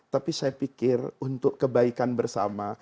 tapi saya pikir untuk kebaikan bersama